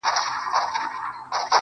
دروېش روښان